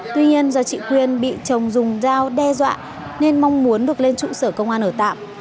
tuy nhiên do chị quyên bị chồng dùng dao đe dọa nên mong muốn được lên trụ sở công an ở tạm